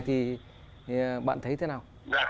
thì bạn thấy thế nào